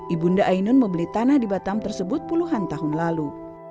ibu nda ainun membeli tanah di batam tersebut puluhan tahun lalu